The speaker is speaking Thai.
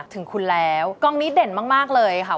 ถึงคุณแล้วกองนี้เด่นมากเลยค่ะ